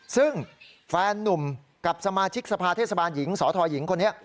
ซึ่งแฟนนุ่มกับสมาชิกสภาเทศบาลหญิงสทหญิงคนนี้